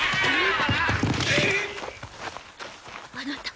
あなた！